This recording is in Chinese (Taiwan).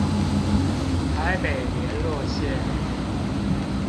台北聯絡線